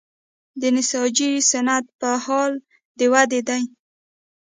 د نساجي صنعت په حال د ودې دی